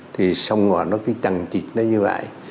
thì sông ngò nó cứ chằn chịt nó như vậy